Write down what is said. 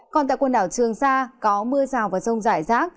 còn tại quần đảo trường sa có mưa rào và rông rải rác